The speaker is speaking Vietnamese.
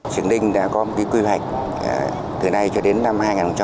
trực ninh đã có một cái quy hoạch từ nay cho đến năm hai nghìn ba mươi